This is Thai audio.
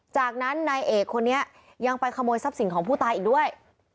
จากนั้นนายเอกคนนี้ยังไปขโมยทรัพย์สินของผู้ตายอีกด้วย